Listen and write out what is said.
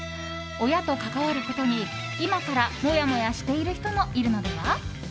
親と関わることに今からモヤモヤしている人もいるのでは？